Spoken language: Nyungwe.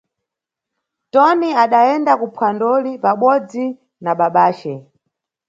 Toni adayenda kuphwandoli pabodzi na babace.